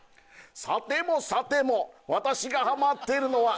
さてもさても私がハマっているのは。